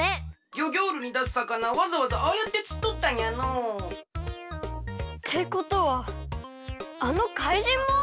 ギョギョールにだすさかなわざわざああやってつっとったんやの。ってことはあのかいじんも！？